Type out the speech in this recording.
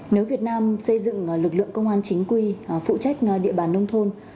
nếu việt nam xây dựng lực lượng công an chính quy phụ trách địa bàn nông thôn